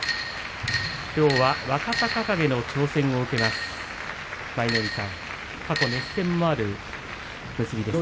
きょうは若隆景の挑戦を受けます。